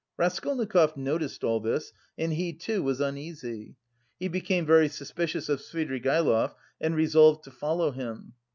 Raskolnikov noticed all this, and he too was uneasy. He became very suspicious of Svidrigaïlov and resolved to follow him.